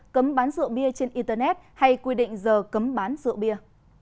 cấm bán rượu bia trên internet hay quy định giờ cấm bán rượu bia